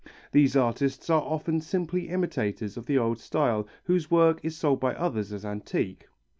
These artists are often simply imitators of the old style whose work is sold by others as antique.